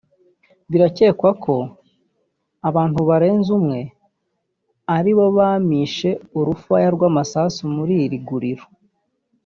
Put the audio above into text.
Birakekwa ko abantu barenze umwe aribo bamishe urufaya rw’amasasu muri iri guriro